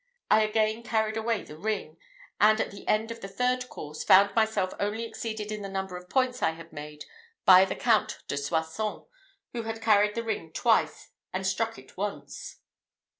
I again carried away the ring; and, at the end of the third course, found myself only exceeded in the number of points I had made by the Count de Soissons, who had carried the ring twice, and struck it once.